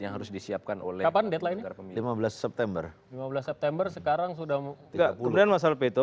yang harus disiapkan oleh kapan deadline lima belas september lima belas september sekarang sudah mau kemudian masalah itu